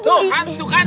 tuh kan tuh kan